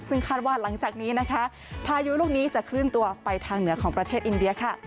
ซึ่งคาดว่าหลังจากนี้นะคะพายุลูกนี้จะเคลื่อนตัวไปทางเหนือของประเทศอินเดียค่ะ